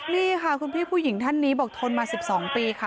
นี่ค่ะคุณพี่ผู้หญิงท่านนี้บอกทนมา๑๒ปีค่ะ